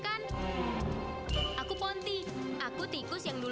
aku ketemu mada